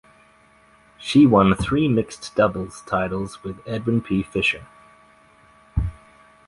She won three mixed doubles titles with Edwin P. Fischer.